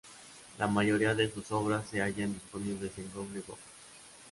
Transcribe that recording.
La mayoría de sus obras se hallan disponibles en Google Books.